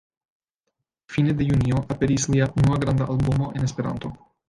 Fine de junio aperis lia unua granda albumo en Esperanto.